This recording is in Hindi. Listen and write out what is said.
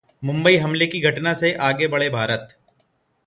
'मुंबई हमले की घटना से आगे बढ़े भारत'